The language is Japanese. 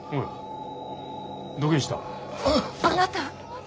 あなた！